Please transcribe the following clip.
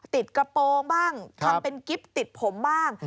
กระโปรงบ้างทำเป็นกิ๊บติดผมบ้าง